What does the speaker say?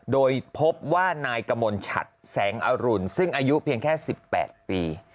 โดยพบว่านายกมลชัดแสงอรุณซึ่งอายุเพียงแค่๑๘ปี